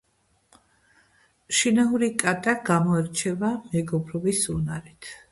შინაურ კატა გამოირჩევა მეგობრობის უნარით.